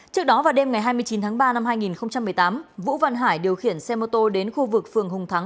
trước đó vào đêm ngày hai mươi chín tháng ba năm hai nghìn một mươi tám vũ văn hải điều khiển xe mô tô đến khu vực phường hùng thắng